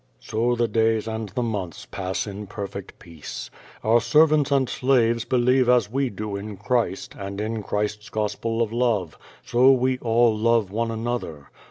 So the days and the months pass in perfect peace. Our servants and slaves believe as we do in Christ, and in Christ's gospel of love. So we all love one another.